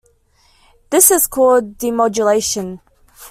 This is called demodulation.